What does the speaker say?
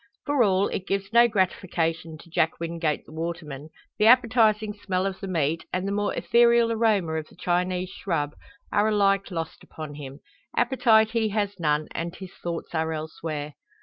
For all, it gives no gratification to Jack Wingate the waterman. The appetising smell of the meat, and the more ethereal aroma of the Chinese shrub, are alike lost upon him. Appetite he has none, and his thoughts are elsewhere.